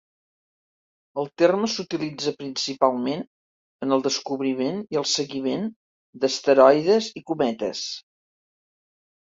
El terme s'utilitza principalment en el descobriment i el seguiment d'asteroides i cometes.